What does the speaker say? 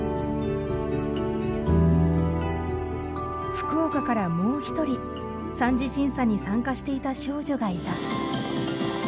福岡からもう一人３次審査に参加していた少女がいた。